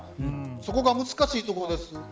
そこが難しいところです。